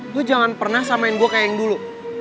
gue jangan pernah samain gue kayak yang dulu